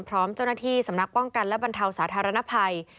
พร้อมเจ้าหน้าที่สำนักป้องกันและบรรเทาสาธารณภัย